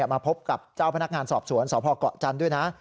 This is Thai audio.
มาพบกับเจ้าพนักงานสอบสวนสพเกาะจันทร์ด้วยนะ